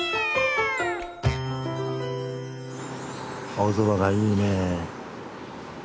青空がいいね。